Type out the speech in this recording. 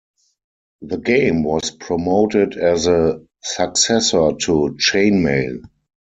The game was promoted as a successor to "Chainmail".